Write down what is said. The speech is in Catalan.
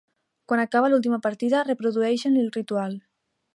Quan acaba l'última partida reprodueixen el ritual.